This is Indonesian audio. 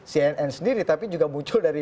cnn sendiri tapi juga muncul dari